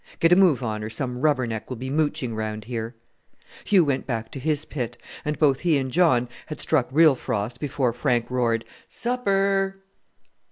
Get a move on, or some rubber neck will be mooching round here!" Hugh went back to his pit, and both he and John had struck real frost before Frank roared, "Supper!"